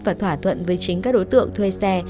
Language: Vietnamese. và thỏa thuận với chính các đối tượng thuê xe